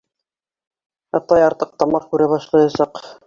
Атай артыҡ тамаҡ күрә башлаясаҡ.